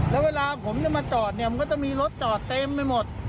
แล้วเวลาผมจะมาจอดเนี่ยมันก็จะมีรถจอดเต็มไปหมด